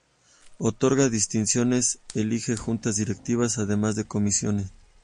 Otorga distinciones, elige Junta Directiva además de comisiones.